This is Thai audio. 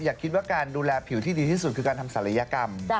อย่าคิดว่าการดูแลผิวที่ดีที่สุดคือการทำศัลยกรรม